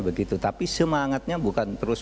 begitu tapi semangatnya bukan terus